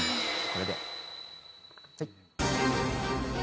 これで。